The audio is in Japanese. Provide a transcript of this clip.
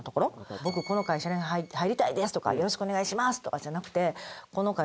「僕この会社に入りたいです！」とか「よろしくお願いします！」とかじゃなくてあれが